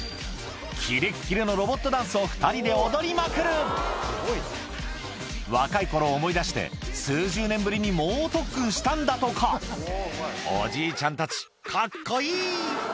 キレッキレのロボットダンスを２人で踊りまくる若い頃を思い出して数十年ぶりに猛特訓したんだとかおじいちゃんたちカッコいい！